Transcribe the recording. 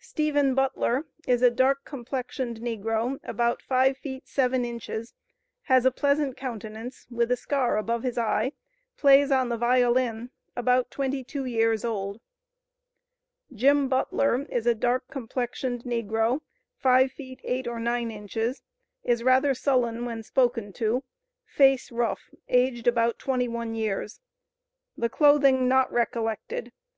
"Stephen Butler is a dark complexioned negro, about five feet seven inches; has a pleasant countenance, with a scar above his eye; plays on the violin; about twenty two years old. "Jim Butler is a dark complexioned negro, five feet eight or nine inches; is rather sullen when spoken to; face rough; aged about twenty one years. The clothing not recollected.